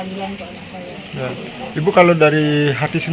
dan di sekolah sekolah kemasan